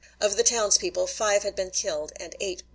Of the townspeople, five had been killed and eight wounded.